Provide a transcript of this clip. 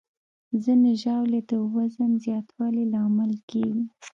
ځینې ژاولې د وزن زیاتوالي لامل کېږي.